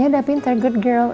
yaudah pinter good girl